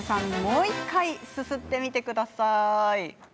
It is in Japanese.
もう１回すすってみてください。